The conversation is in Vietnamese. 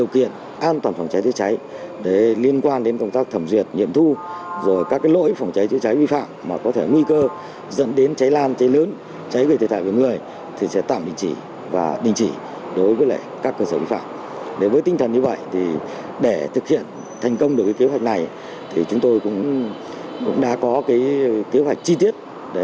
không được kế hoạch này thì chúng tôi cũng đã có kế hoạch chi tiết